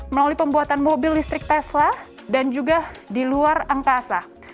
melalui pembuatan mobil listrik tesla dan juga di luar angkasa